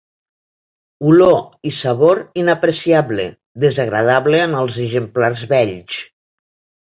Olor i sabor inapreciable, desagradable en els exemplars vells.